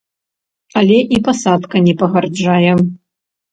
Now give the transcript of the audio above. Але і пасадка не пагражае.